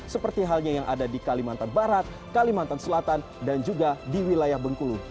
seperti halnya yang ada di kalimantan barat kalimantan selatan dan juga di wilayah bengkulu